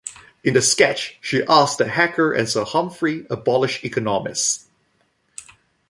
In the sketch, she asks that Hacker and Sir Humphrey abolish economists.